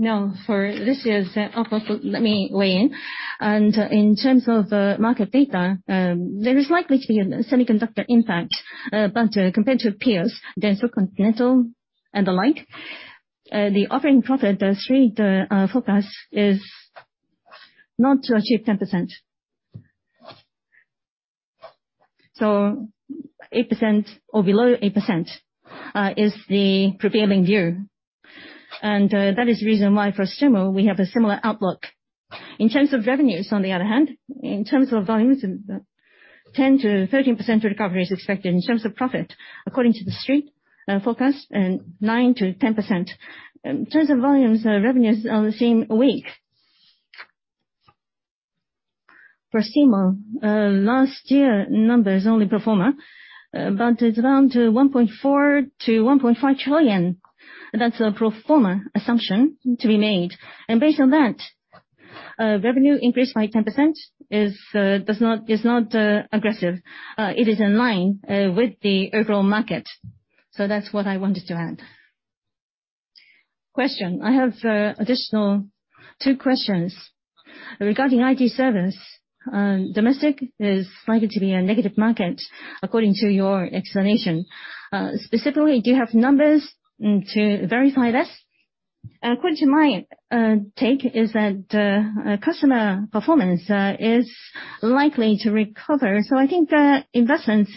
Yoshihiko-san. For this year's outlook, let me weigh in. In terms of market data, there is likely to be a semiconductor impact. Compared to peers, Denso, Continental, and the like, the operating profit and the street forecast are not to achieve 10%. 8% or below 8% is the prevailing view, and that is the reason why for Astemo we have a similar outlook. In terms of revenues, on the other hand, in terms of volumes, 10%-13% recovery is expected. In terms of profit, according to the street forecast, 9%-10%. In terms of volumes, revenues are the same and weak. For Astemo, last year's numbers were only pro forma, but they're around 1.4 trillion-1.5 trillion. That's a pro forma assumption to be made. Based on that, a revenue increase of 10% is not aggressive. It is in line with the overall market. That's what I wanted to add. Question. I have two additional questions. Regarding IT services, domestic is likely to be a negative market, according to your explanation. Specifically, do you have numbers to verify this? According to my take is that customer performance is likely to recover, I think investments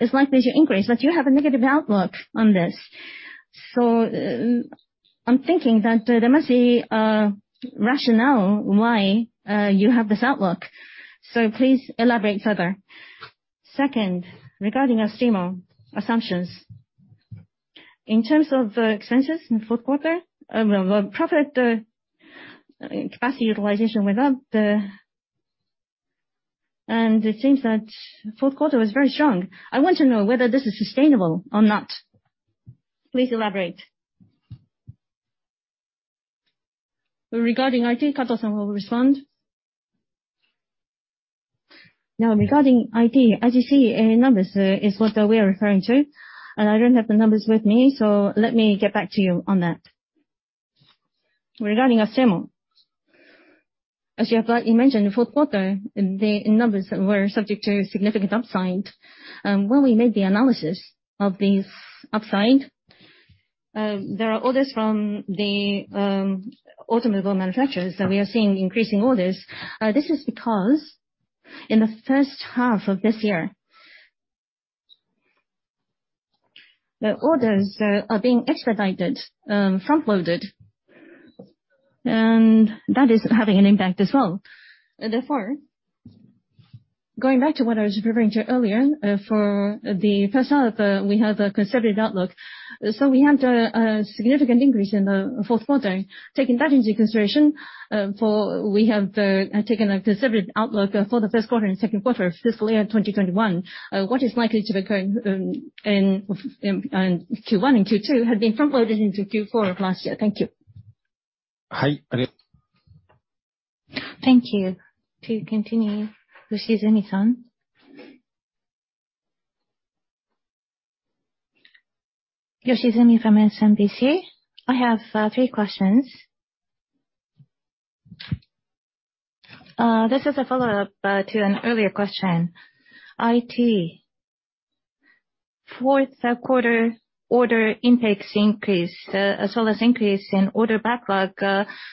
is likely to increase. You have a negative outlook on this. I'm thinking that there must be a rationale why you have this outlook. Please elaborate further. Second, regarding Astemo assumptions, in terms of expenses in the fourth quarter, profit capacity utilization went up, and it seems that the fourth quarter was very strong. I want to know whether this is sustainable or not. Please elaborate. Regarding IT, Kato-san will respond. Regarding IT, as you see, numbers are what we are referring to, and I don't have the numbers with me, let me get back to you on that. Regarding Astemo, as you have rightly mentioned, in the fourth quarter, the numbers were subject to a significant upside. When we made the analysis of this upside, there were orders from the automobile manufacturers that we are seeing increasing. This is because in the first half of this year, the orders are being expedited and front-loaded, and that is having an impact as well. Going back to what I was referring to earlier, for the first half, we have a conservative outlook. We had a significant increase in the fourth quarter. Taking that into consideration, we have taken a conservative outlook for the first quarter and second quarter of FY 2021. What is likely to occur in Q1 and Q2 has been front-loaded into Q4 of last year. Thank you. Thank you. To continue, Yoshizumi-san. Yoshizumi from SMBC. I have three questions. This is a follow-up to an earlier question. IT, fourth quarter order intakes increase, as well as an increase in order backlog,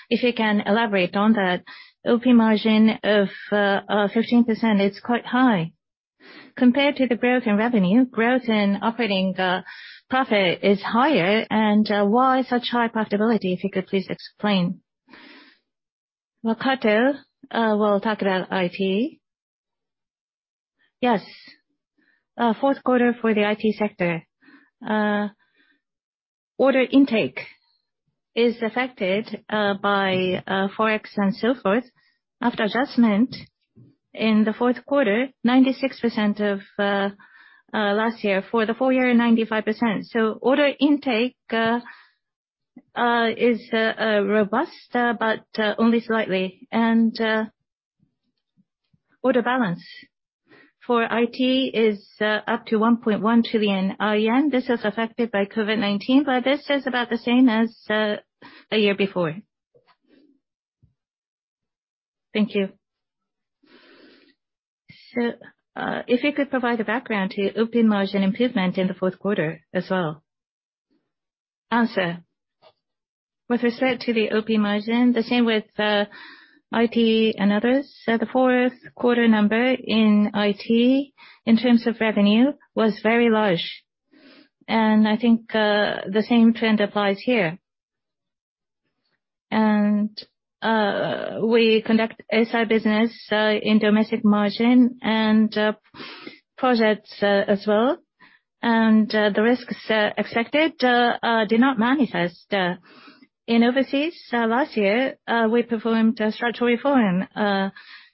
if you can elaborate on that. An OP margin of 15% is quite high. Compared to the growth in revenue, growth in operating profit is higher, why such high profitability? If you could, please explain. Well, Kato will talk about IT. Yes. Fourth quarter for the IT sector. Order intake is affected by Forex and so forth. After adjustment, in the fourth quarter, 96% of last year's. For the full year, 95%. Order intake is robust, but only slightly. Order balance for IT is up to 1.1 trillion yen. This is affected by COVID-19, but this is about the same as a year before. Thank you. If you could provide a background to OP margin improvement in the fourth quarter as well. With respect to the OP margin, the same with IT and others. The fourth quarter number in IT in terms of revenue was very large, and I think the same trend applies here. We conduct SI business in domestic margin and projects as well, and the risks expected did not manifest. In overseas last year, we performed a structural reform,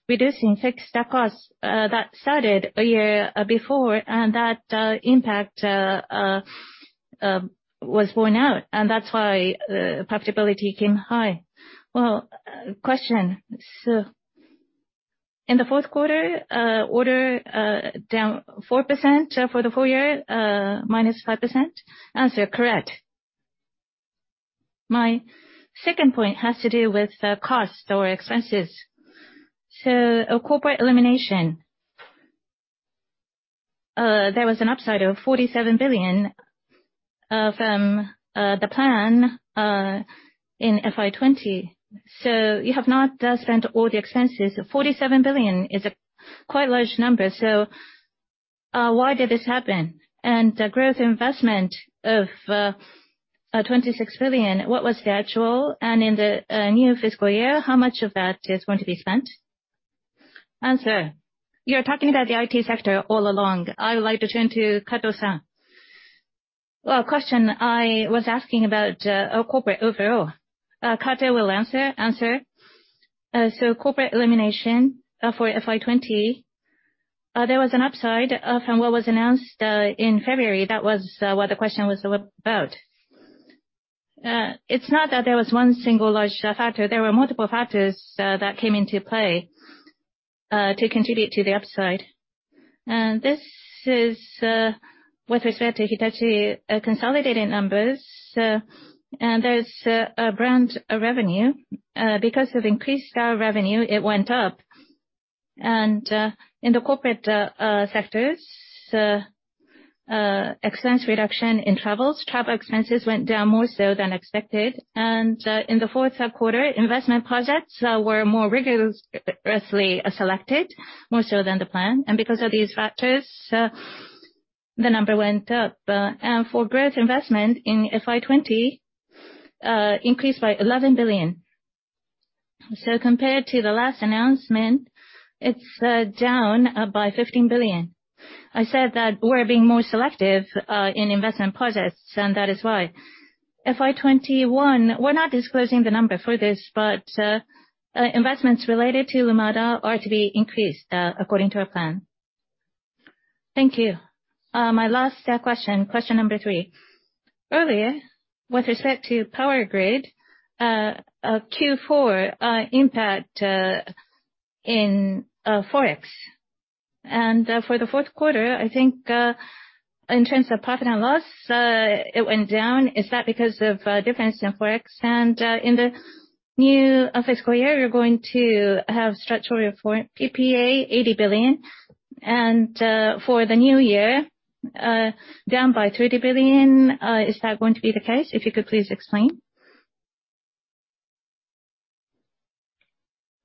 reducing fixed costs that started a year before, and that impact was worn out, and that's why profitability came high. Well, a question. In the fourth quarter, orders are down 4%, for the full year, -5%? Answer. Correct. My second point has to do with costs or expenses. Corporate elimination. There was an upside of 47 billion from the plan in FY 2020. You have not spent all the expenses. 47 billion is a quite large number, so why did this happen? Growth investment of 26 billion, what was the actual, and in the new fiscal year, how much of that is going to be spent? Answer. You're talking about the IT sector all along. I would like to turn to Kato-san. Well, a question. I was asking about corporate overall. Kato will answer. Corporate elimination for FY 2020: there was an upside from what was announced in February. That was what the question was about. It's not that there was one single large factor. There were multiple factors that came into play to contribute to the upside. This is with respect to Hitachi's consolidated numbers, and there's brand revenue. Because of increased revenue, it went up. In the corporate sectors, expense reduction in travels and travel expenses went down more than expected. In the fourth quarter, investment projects were more rigorously selected, more so than the plan. Because of these factors, the number went up. For growth investment in FY 2020, increased by 11 billion. Compared to the last announcement, it's down by 15 billion. I said that we're being more selective in investment projects, and that is why. In FY 2021, we're not disclosing the number for this, but investments related to Lumada are to be increased according to our plan. Thank you. My last question, number three. Earlier, with respect to Power Grid, there was a Q4 impact in forex. For the fourth quarter, I think in terms of profit and loss, it went down. Is that because of the difference in forex? In the new fiscal year, you're going to have structural PPA 80 billion. For the new year, down by 30 billion. Is that going to be the case? If you could, please explain.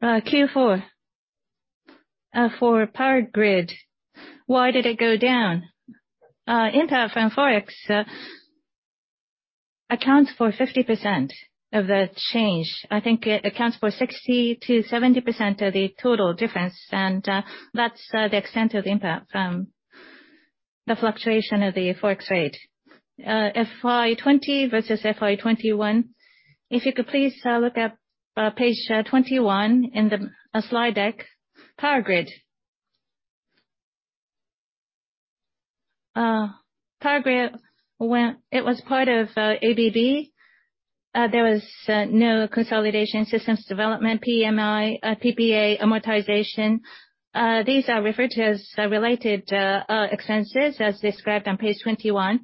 Q4 for Power Grid, why did it go down? Impact from forex accounts for 50% of the change. I think it accounts for 60%-70% of the total difference, and that's the extent of the impact from the fluctuation of the forex rate. FY 2020 versus FY 2021, if you could, please look at page 21 in the slide deck. Power Grid. Power Grid was part of ABB. There was no consolidation system development PPA amortization. These are referred to as related expenses as described on page 21.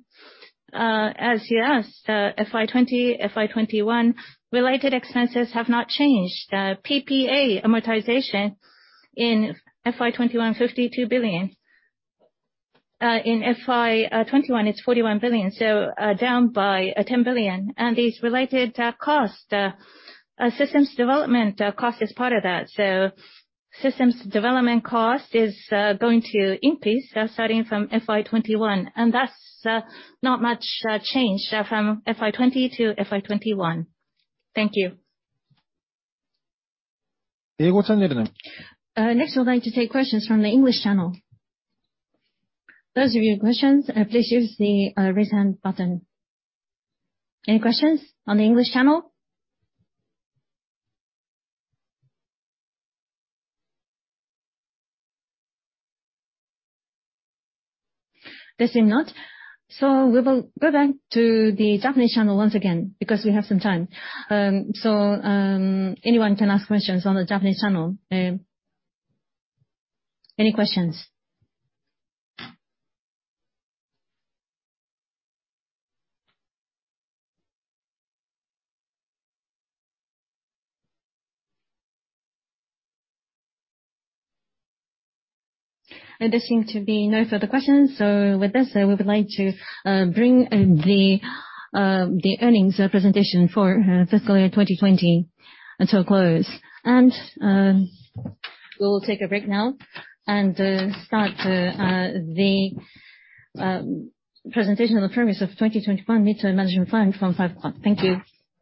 As you asked, FY 2020, FY 2021, related expenses have not changed. PPA amortization in FY 2021, 52 billion. In FY 2021, it's 41 billion, so down by 10 billion. These related costs, systems development costs, are part of that. Systems development cost is going to increase starting from FY 2021, and that's not much change from FY 2020-FY 2021. Thank you. Next, we would like to take questions from the English channel. Those with questions, please use the Raise Hand button. Any questions on the English channel? There seem not. We will go back to the Japanese channel once again because we have some time. Anyone can ask questions on the Japanese channel. Any questions? There seem to be no further questions. With this, we would like to bring the earnings presentation for fiscal year 2020 to a close. We will take a break now and start the presentation on the premise of the 2021 mid-term management plan from 5:00P.M. Thank you.